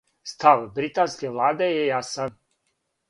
Став британске владе је јасан.